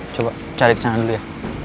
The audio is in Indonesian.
coba cari ke sana dulu ya